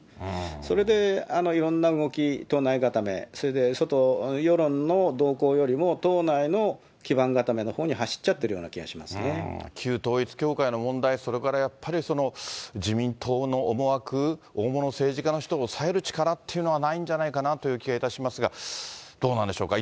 それでいろんな動き、党内固め、外、世論の動向よりも党内の基盤固めのほうに走っちゃってるような気旧統一教会の問題、それからやっぱりその自民党の思惑、大物政治家の人を抑える力っていうのはないんじゃないかなという気はいたしますが、どうなんでしょうか。